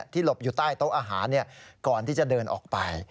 หลบอยู่ใต้โต๊ะอาหารก่อนที่จะเดินออกไป